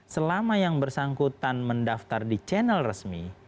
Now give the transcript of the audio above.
selama yang bersangkutan mendaftar di channel resmi